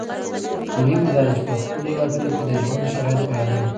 مهمه دا ده چې په خپلو هېوادونو کې د ژوند شرایط برابر کړو.